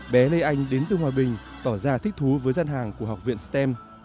bé lê anh đến từ hòa bình tỏ ra thích thú với gian hàng của học viện stem